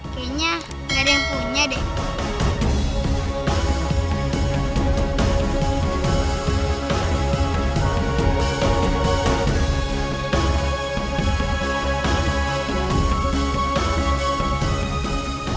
kayaknya nggak ada yang punya deh